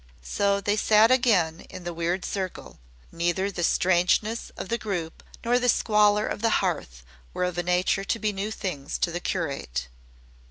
So they sat again in the weird circle. Neither the strangeness of the group nor the squalor of the hearth were of a nature to be new things to the curate.